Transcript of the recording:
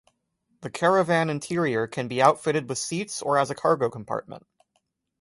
The Caravan interior can be outfitted with seats or as a cargo compartment.